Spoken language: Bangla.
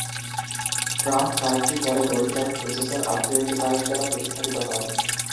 ট্রাম্প কার্ডটি পরে "gold card" processor upgrade card দ্বারা প্রতিস্থাপিত হয়।